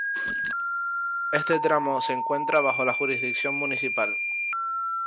Este tramo se encuentra bajo la jurisdicción municipal.